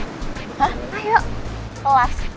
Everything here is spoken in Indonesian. hah ayo kelas